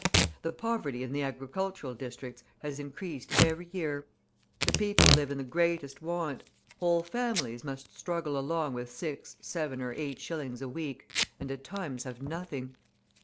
The poverty in the agricultural districts has increased every year. The people live in the greatest want, whole families must struggle along with 6, 7, or 8 shillings a week, and at times have nothing.